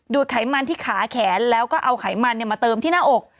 ไขมันที่ขาแขนแล้วก็เอาไขมันมาเติมที่หน้าอก